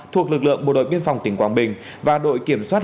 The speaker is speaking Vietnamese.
thuộc lực lượng bộ đội biên phòng tỉnh quảng bình và đội kiểm soát